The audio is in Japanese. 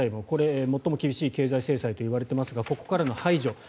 これは最も厳しい経済制裁といわれていますがここからの排除